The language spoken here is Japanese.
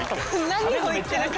何を言ってるか。